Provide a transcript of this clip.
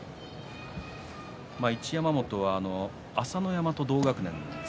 一山本は朝乃山と同学年です。